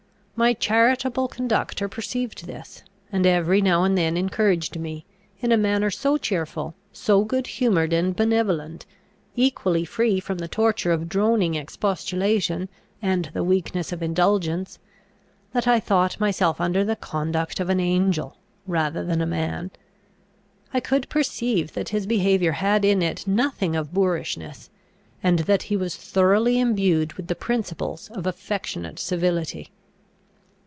My charitable conductor perceived this, and every now and then encouraged me, in a manner so cheerful, so good humoured and benevolent, equally free from the torture of droning expostulation, and the weakness of indulgence, that I thought myself under the conduct of an angel rather than a man. I could perceive that his behaviour had in it nothing of boorishness, and that he was thoroughly imbued with the principles of affectionate civility.